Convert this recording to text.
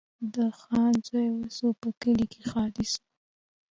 د خان زوی وسو په کلي کي ښادي سوه